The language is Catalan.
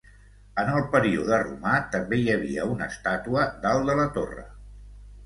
En el període romà també hi havia una estàtua dalt de la torre.